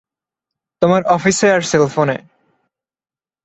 তোমার অফিসে আর সেলফোনে।